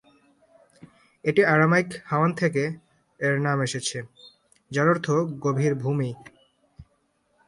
এটি আরামাইক "হাওয়ান" থেকে এর নাম এসেছে, যার অর্থ "গভীর ভূমি।